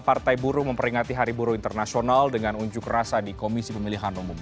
partai buruh memperingati hari buruh internasional dengan unjuk rasa di komisi pemilihan umum